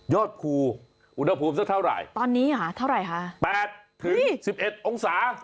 ยอดภูมิอุดภูมิเท่าไหร่ตอนนี้ไหมเท่าไหร่คะ๘๑๑องศา